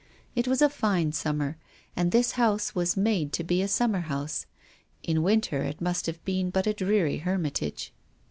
It was a fine summer, and this house was made to be a summer house. In winter it must have been but a dreary hermitage.